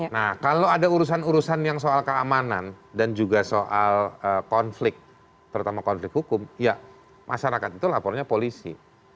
nah kalau ada urusan urusan yang soal keamanan dan juga soal konflik terutama konflik hukum ya masyarakat itu lapornya polisi